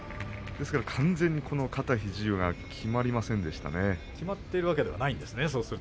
完全に肩や肘がきまっているわけではないんですね。